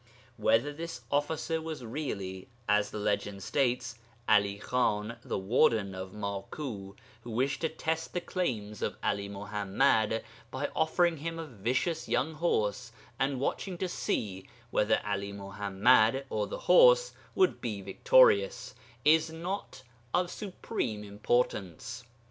Whether this officer was really (as the legend states) 'Ali Khan, the warden of Maku, who wished to test the claims of 'Ali Muḥammad by offering him a vicious young horse and watching to see whether 'Ali Muḥammad or the horse would be victorious, is not of supreme importance.